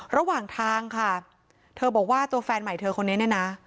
ระหว่างทางค่ะเธอบอกว่าตัวแฟนใหม่เธอคนนี้เนี่ยนะ